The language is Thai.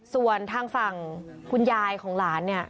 ส่วนทางฝั่งคุณยายของหลานเนี่ย